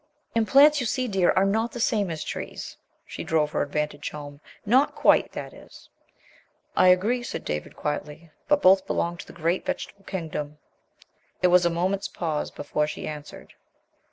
"And plants, you see, dear, are not the same as trees," she drove her advantage home, "not quite, that is." "I agree," said David quietly; "but both belong to the great vegetable kingdom." There was a moment's pause before she answered.